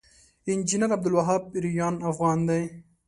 انجنير عبدالوهاب ريان افغان دی